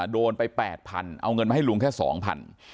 โดนไป๘๐๐๐เอาเงินมาให้ลุงแค่๒๐๐บาท